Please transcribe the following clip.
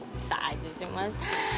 bisa aja sih mas